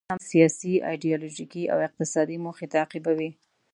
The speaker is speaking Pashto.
دوی هم سیاسي، ایډیالوژیکي او اقتصادي موخې تعقیبوي.